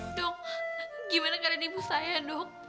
dok gimana keadaan ibu saya dok